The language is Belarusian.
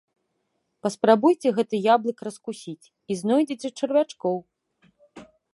Паспрабуйце гэты яблык раскусіць і знойдзеце чарвячкоў.